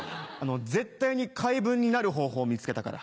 絶対に回文になる方法を見つけたから。